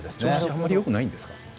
あんまり良くないんですか？